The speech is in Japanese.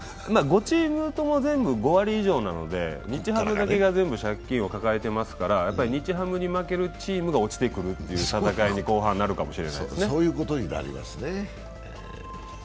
５チームとも５割以上なので日ハムだけが全部借金を抱えてますから、日ハムに負けるチームが落ちてくるという戦いに後半なるかもしれないですね。